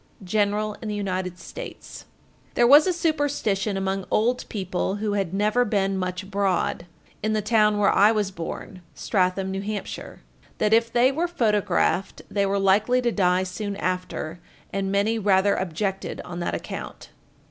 General in the United States. 1415. There was a superstition among old people who had never been much abroad, in the town where I was born (Stratham, N.H.), that if they were photographed they were likely to die soon after, and many rather objected on that account.